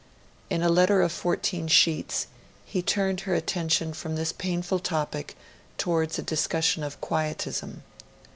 In a letter of fourteen sheets, he turned her attention from this painful topic towards a discussion of Quietism.